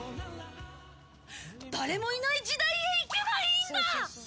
誰もいない時代へ行けばいいんだ！